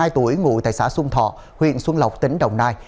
một mươi hai tuổi ngụ tại xã xuân thọ huyện xuân lọc tỉnh đồng nai